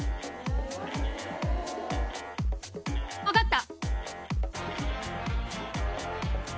わかった！